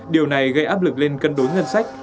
điều này gây áp lực lên cân đối ngân sách